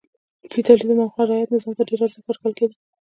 فیوډالېزم او خان رعیت نظام ته ډېر ارزښت ورکول کېده.